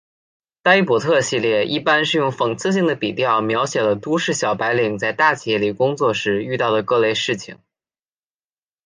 呆伯特系列一般是用讽刺性的笔调描写了都市小白领在大企业里工作时遇到的各类事情。